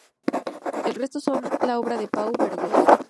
El resto son obra de Pau Vergós.